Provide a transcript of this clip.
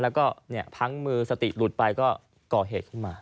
แล้วก็พังมือสติหลุดไปก็ก่อเหตุขึ้นมา